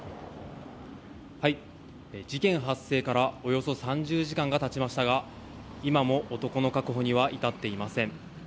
事件発生からおよそ３０時間が経ちましたが今も男の確保には至っていません。